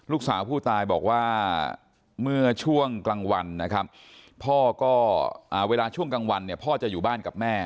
ลูกสาวผู้ตายบอกว่าเมื่อช่วงกลางวันนะครับพ่อก็เวลาช่วงกลางวันเนี่ยพ่อจะอยู่บ้านกับแม่